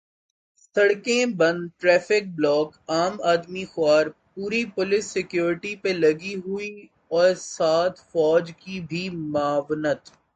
سڑکیں بند، traffic block, عام آدمی خوار، پوری پولیس سکیورٹی پہ لگی ہوئی اور ساتھ فوج کی بھی معاونت۔